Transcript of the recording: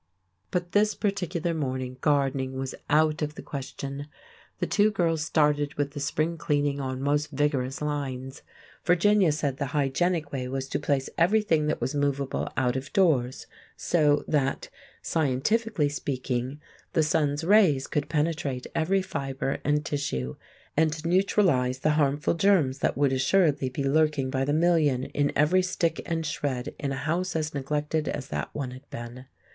But this particular morning gardening was out of the question. The two girls started with the spring cleaning on most vigorous lines. Virginia said the hygienic way was to place everything that was movable out of doors, so that, scientifically speaking, the sun's rays could penetrate every fibre and tissue, and neutralise the harmful germs that would assuredly be lurking by the million in every stick and shred in a house as neglected as that one had been.